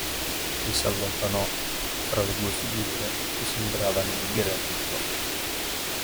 E s'allontanò fra le due figure che sembravano di granito.